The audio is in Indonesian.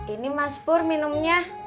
ini mas pur minumnya